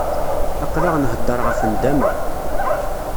Aql-aɣ nhedder ɣef nndama.